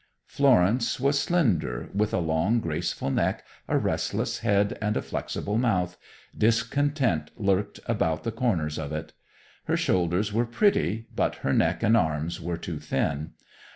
Florence was slender, with a long, graceful neck, a restless head, and a flexible mouth discontent lurked about the corners of it. Her shoulders were pretty, but her neck and arms were too thin.